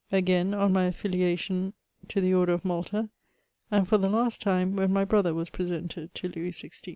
again on my affiliation to the order of Malta ; and, for the last time, when my brother was presented to Louis XVI.